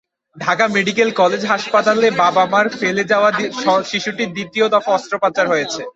Dhaka medical college হাসপাতালে মা-বাবার ফেলে যাওয়া শিশুটির দ্বিতীয় দফা অস্ত্রোপচার হয়েছে।